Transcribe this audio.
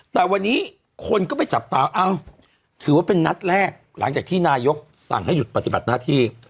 แต่วันนี้คนก็ไปจับตาเอ้าถือว่าเป็นนัดแรกหลังจากที่นายกสั่งให้หยุดปฏิบัติหน้าที่